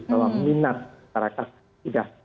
kalau minat masyarakat sudah